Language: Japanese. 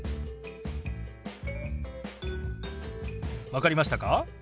分かりましたか？